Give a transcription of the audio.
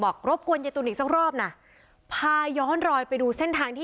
รบกวนยายตุลอีกสักรอบน่ะพาย้อนรอยไปดูเส้นทางที่